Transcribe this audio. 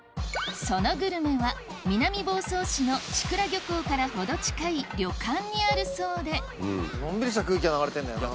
そのグルメは南房総市の千倉漁港から程近い旅館にあるそうでのんびりした空気が流れてんだよな。